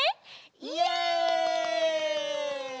イエイ！